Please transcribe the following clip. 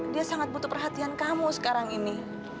dia sangat butuh perhatian kamu sekarang ini